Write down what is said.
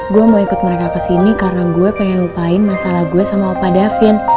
gue mau ikut mereka kesini karena gue pengen lupain masalah gue sama opa davin